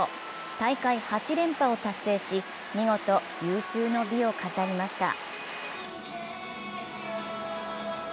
大会８連覇を達成し、見事、有終の美を飾りました。